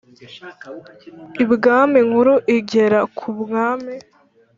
ibwami inkuru igera kumwami